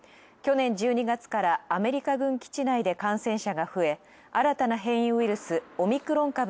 去年１２月からアメリカ軍基地内で感染者が増え、新たな変異ウイルスオミクロン